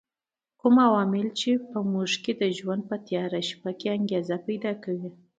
کوم عامل چې په موږ کې د ژوند په تیاره شپه انګېزه پیدا کوي.